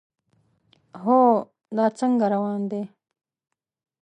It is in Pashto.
هو، دا څنګه روان دی؟